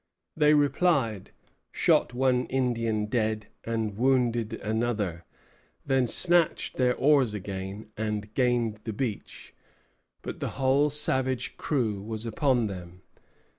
They replied; shot one Indian dead, and wounded another; then snatched their oars again, and gained the beach. But the whole savage crew was upon them.